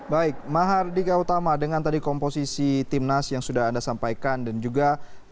baik mahardika utama dengan tadi komposisi timnas yang sudah anda sampaikan dan juga